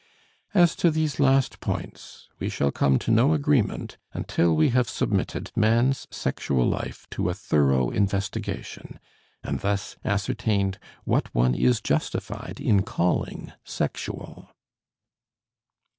As to these last points, we shall come to no agreement until we have submitted man's sexual life to a thorough investigation, and thus ascertained what one is justified in calling sexual.